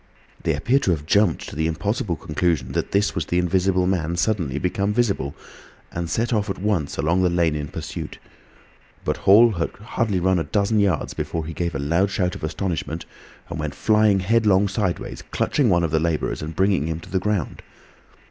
They appear to have jumped to the impossible conclusion that this was the Invisible Man suddenly become visible, and set off at once along the lane in pursuit. But Hall had hardly run a dozen yards before he gave a loud shout of astonishment and went flying headlong sideways, clutching one of the labourers and bringing him to the ground.